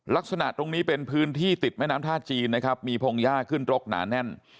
ลักษณะตรงนี้เป็นพื้นที่ติดแม่น้ำท่าจีนนะครับมีพงหญ้าขึ้นรกหนาแน่น